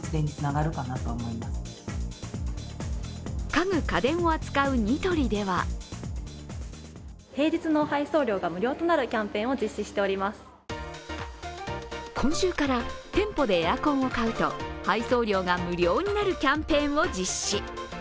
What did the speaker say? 家具・家電を扱うニトリでは今週から店舗でエアコンを買うと配送料が無料になるキャンペーンを実施。